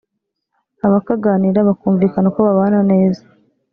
abakaganira bakumvikana uko babana neza